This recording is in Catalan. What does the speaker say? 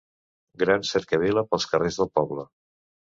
Gran cercavila pels carrers del poble.